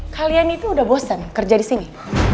kalian itu udah bosan kerja disini